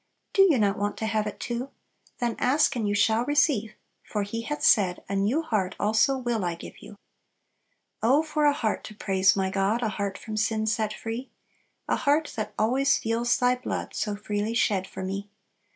Do you not want to have it too? Then "ask, and you shall receive;" for He hath said, "A new heart also will I give you!" "Oh for a heart to praise my God, A heart from sin set free! A heart that always feels Thy blood, So freely shed for me.